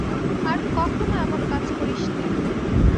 আর কখনো এমন কাজ করিস নে।